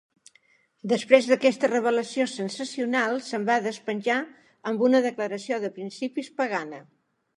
Després d'aquesta revelació sensacional se'm va despenjar amb una declaració de principis pagana.